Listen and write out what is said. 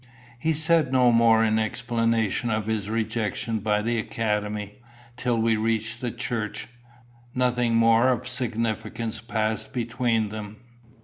He said no more in explanation of his rejection by the Academy. Till we reached the church, nothing more of significance passed between them.